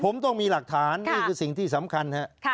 ผมต้องมีหลักฐานนี่คือสิ่งที่สำคัญครับ